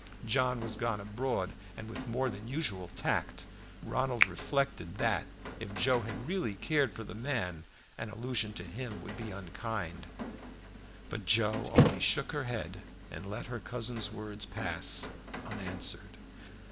John was gone abroad, and with more than usual tact, Ronald reflected that, if Joe had really cared for the man, an allusion to him would be unkind. But Joe only shook her head, and let her cousin's words pass unanswered.